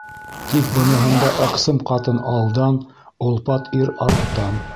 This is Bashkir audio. Тик быныһында ыҡсым ҡатын алдан, олпат ир арттан.